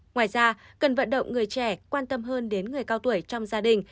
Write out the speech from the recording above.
ngoài ra cần vận động người trẻ quan tâm hơn đến người cao tuổi trong gia đình